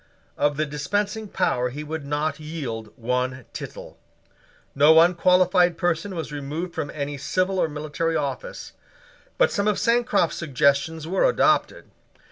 Of the dispensing power he would not yield one tittle. No unqualified person was removed from any civil or military office. But some of Sancroft's suggestions were adopted.